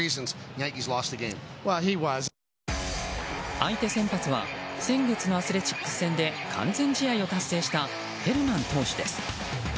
相手先発は先月のアスレチックス戦で完全試合を達成したヘルマン投手です。